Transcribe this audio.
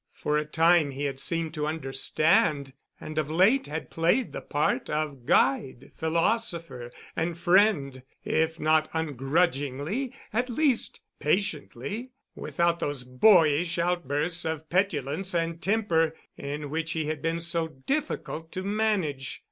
For a time he had seemed to understand, and of late had played the part of guide, philosopher, and friend, if not ungrudgingly, at least patiently, without those boyish outbursts of petulance and temper in which he had been so difficult to manage.